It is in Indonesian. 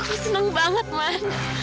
aku senang banget man